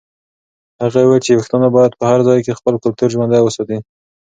هغې وویل چې پښتانه باید په هر ځای کې خپل کلتور ژوندی وساتي.